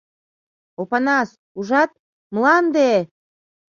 — Опанас, ужат, мланде!